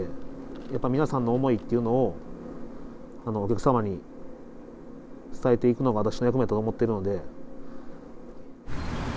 やっぱり皆さんの思いっていうのをお客様に伝えていくのが私の役目だと思っているので。